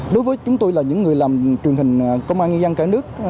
đối với chúng tôi là những người làm truyền hình công an nhân dân cả nước